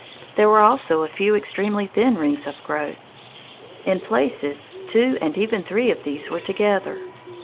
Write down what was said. There were also a few extremely thin rings of growth. In places two and even three of these were together.